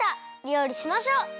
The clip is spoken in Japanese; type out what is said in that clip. りょうりしましょう！